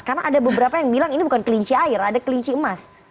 karena ada beberapa yang bilang ini bukan kelinci air ada kelinci emas